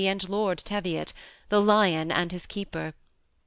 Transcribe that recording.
and Lord Teviot, — the lion and his keeper.